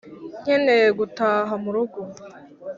nkeneye gutaha murugo